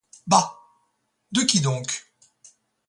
Bah ! de qui donc ?